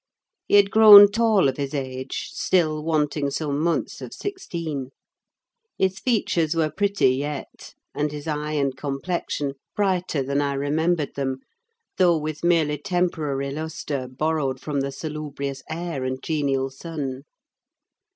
He had grown tall of his age, still wanting some months of sixteen. His features were pretty yet, and his eye and complexion brighter than I remembered them, though with merely temporary lustre borrowed from the salubrious air and genial sun.